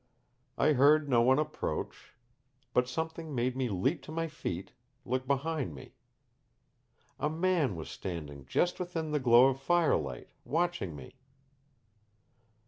I heard no one approach but something made me leap to my feet, look behind me. "A man was standing just within the glow of firelight, watching me."